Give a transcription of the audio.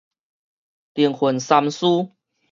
靈魂三司